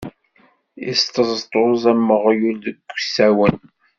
Isṭeẓṭuẓ am uɣyul deg usawen.